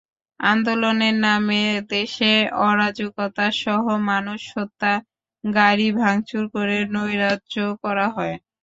আন্দোলনের নামে দেশে অরাজকতাসহ মানুষ হত্যা, গাড়ি ভাঙচুর করে নৈরাজ্য করা হয়।